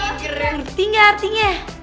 ngerti gak artinya